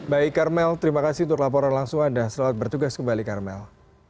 baik karmel terima kasih untuk laporan langsung anda selamat bertugas kembali karmel